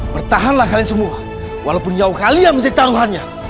bertahanlah kalian semua walaupun nyawa kalian menjadi taruhannya